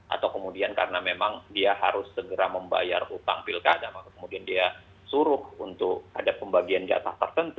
atau kemudian karena memang dia harus segera membayar utang pilkada maka kemudian dia suruh untuk ada pembagian jatah tertentu